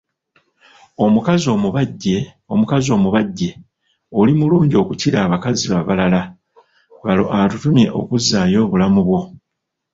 Omukazi omubajje, omukazi omubajje, olimulungi okukira abakazi abalala, balo atutumye okuzzaayo obulamu bwo.